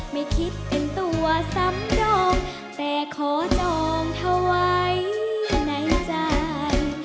ไม่คิดเป็นตัวซ้ำรองแต่ขอจองเธอไว้ในใจ